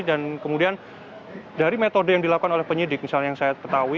dan kemudian dari metode yang dilakukan oleh penyidik misalnya yang saya ketahui